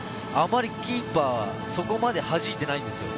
キーパーはそこまではじいていないんですよ。